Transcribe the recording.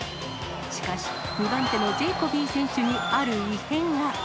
しかし、２番手のジェイコビー選手にある異変が。